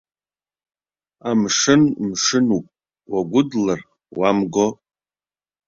Амшын мшынуп, уагәыдлар уамго.